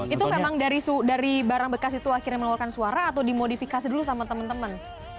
itu memang dari barang bekas itu akhirnya mengeluarkan suara atau dimodifikasi dulu sama teman teman